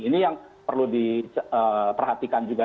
ini yang perlu diperhatikan juga